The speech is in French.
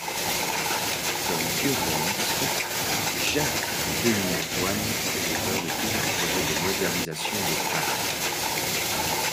Comme urbaniste, Jacques-Denis Antoine est l'auteur de plusieurs projets de modernisation de Paris.